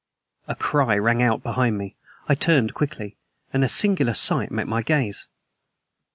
A cry rang out behind me. I turned quickly. And a singular sight met my gaze.